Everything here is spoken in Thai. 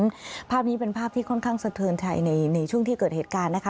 เพราะฉะนั้นภาพนี้เป็นภาพที่ค่อนข้างสเติร์นไทยในช่วงที่เกิดเหตุการณ์นะคะ